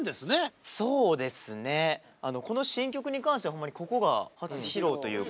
そうですねこの新曲に関してはほんまにここが初披露というか。